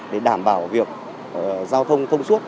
để đảm bảo việc giao thông thông suốt